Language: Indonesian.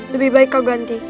lebih baik kau ganti